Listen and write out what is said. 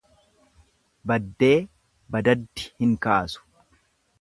Baddee badaddi hin kaasu.